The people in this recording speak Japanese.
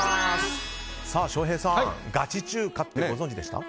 翔平さん、ガチ中華ってご存じでした？